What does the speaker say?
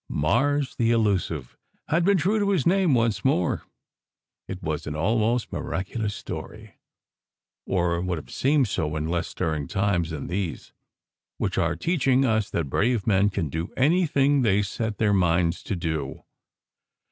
"Mars, the elusive" had been true to his name once more. It was an almost miraculous story, or would have seemed so in less stirring times than these, which are teaching us that brave men can do anything they set their minds to do.